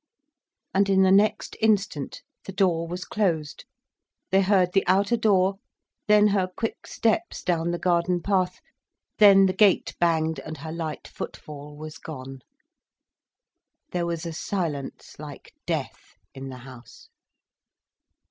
And in the next instant the door was closed, they heard the outer door, then her quick steps down the garden path, then the gate banged, and her light footfall was gone. There was a silence like death in the house.